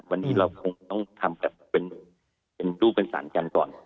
วันนี้เราคงต้องทำแบบเป็นรูปเป็นสารกันก่อน